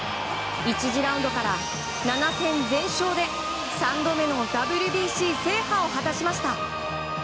１次ラウンドから７勝全勝で３度目のＷＢＣ制覇を果たしました。